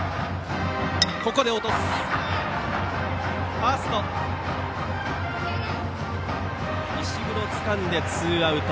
ファーストの石黒がつかんで、ツーアウト。